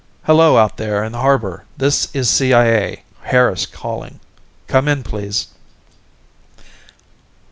"Hello, out there in the harbor. This is CIA, Harris calling. Come in, please."